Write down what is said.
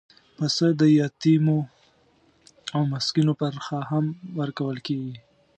پسه د یتیمو او مسکینو برخه هم ورکول کېږي.